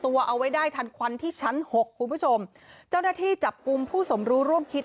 เอาไว้ได้ทันควันที่ชั้นหกคุณผู้ชมเจ้าหน้าที่จับกลุ่มผู้สมรู้ร่วมคิด